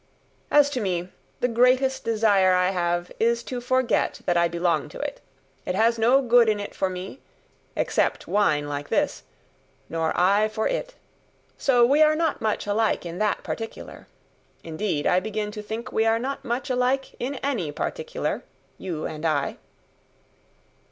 "As to me, the greatest desire I have, is to forget that I belong to it. It has no good in it for me except wine like this nor I for it. So we are not much alike in that particular. Indeed, I begin to think we are not much alike in any particular, you and I."